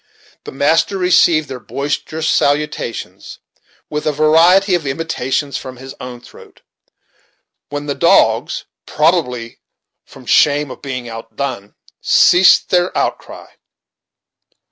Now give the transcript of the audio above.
The master received their boisterous salutations with a variety of imitations from his own throat, when the dogs, probably from shame of being outdone, ceased their out cry.